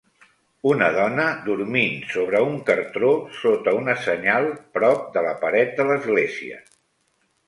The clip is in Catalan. una dona dormint sobre un cartró sota una senyal prop de la pared de l'església